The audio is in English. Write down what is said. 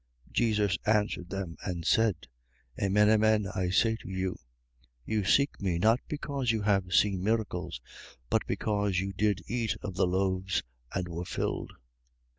6:26. Jesus answered them and said: Amen, amen, I say to you, you seek me, not because you have seen miracles, but because you did eat of the loaves and were filled.